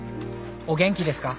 お元気ですか？」